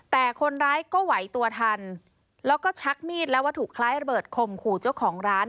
แต่คนร้ายก็ไหวตัวทันแล้วก็ชักมีดและวัตถุคล้ายระเบิดข่มขู่เจ้าของร้าน